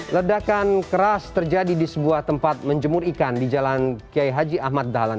ledakan keras terjadi di sebuah tempat menjemur ikan di jalan kiai haji ahmad dahlan